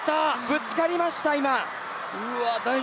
ぶつかりました。